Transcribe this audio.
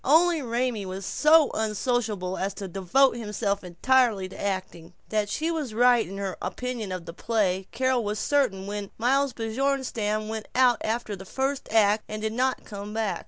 Only Raymie was so unsociable as to devote himself entirely to acting. That she was right in her opinion of the play Carol was certain when Miles Bjornstam went out after the first act, and did not come back.